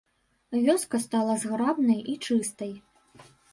Вёска стала зграбнай і чыстай.